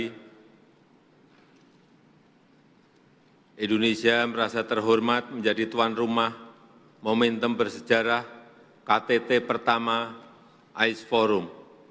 indonesia merasa terhormat menjadi tuan rumah momentum bersejarah ktt pertama ais forum